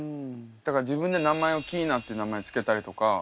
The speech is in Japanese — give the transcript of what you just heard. だから自分で名前をＫｉｉｎａって名前付けたりとか。